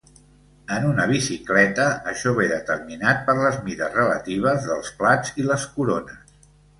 En una bicicleta, això ve determinat per les mides relatives dels plats i les corones.